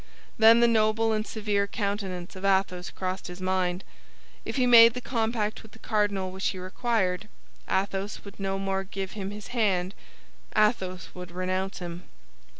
Then the noble and severe countenance of Athos crossed his mind; if he made the compact with the cardinal which he required, Athos would no more give him his hand—Athos would renounce him.